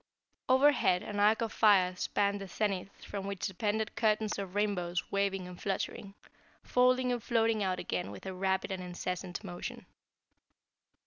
Over head an arc of fire spanned the zenith from which depended curtains of rainbows waving and fluttering, folding and floating out again with a rapid and incessant motion.